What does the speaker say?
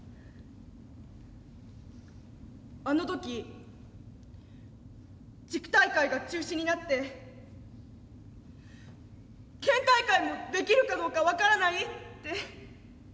あの時地区大会が中止になって県大会もできるかどうか分からないって。